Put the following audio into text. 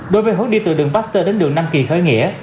đối với hướng đi từ đường baxter đến đường năm kỳ khơi nghĩa